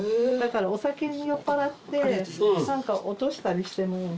だからお酒に酔っぱらって何か落としたりしても。